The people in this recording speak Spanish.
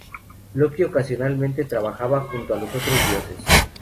Loki ocasionalmente trabajaba junto a los otros dioses.